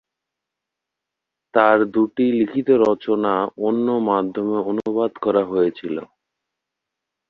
তার দু'টি লিখিত রচনা অন্য মাধ্যমে অনুবাদ করা হয়েছিল।